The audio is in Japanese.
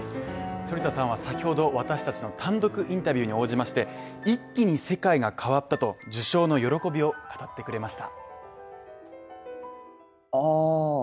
反田さんは先ほど私達の単独インタビューに応じまして、一気に世界が変わったと受賞の喜びを語ってくれました。